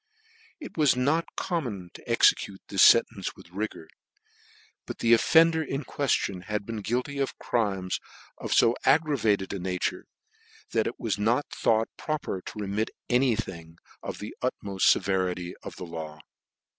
It was not common to execute this fentence with rigour ; but the offln der in queftion had been guilty of crimes of fo aggravated a nature, that it was not thought pro < per to remit any thing of the utmoft fcverity of the law.